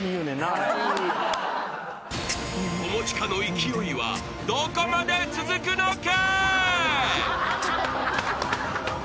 ［友近の勢いはどこまで続くのか？］